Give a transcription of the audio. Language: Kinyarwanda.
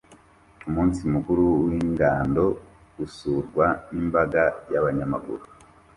Umunsi mukuru w'ingando usurwa n'imbaga y'abanyamaguru